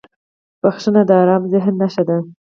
• بخښنه د آرام ذهن نښه ده.